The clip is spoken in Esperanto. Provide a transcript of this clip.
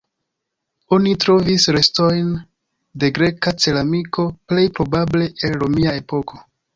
Oni trovis restojn de greka ceramiko, plej probable el romia epoko.